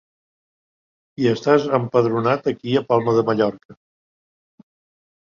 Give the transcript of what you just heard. I estàs empadronat aquí a Palma de Mallorca.